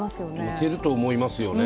似ていると思いますよね。